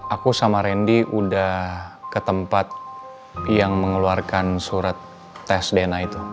aku sama randy udah ke tempat yang mengeluarkan surat tes dna itu